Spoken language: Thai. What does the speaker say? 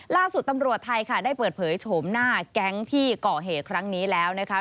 ล่าสุดตำรวจไทยค่ะได้เปิดเผยโฉมหน้าแก๊งที่ก่อเหตุครั้งนี้แล้วนะคะ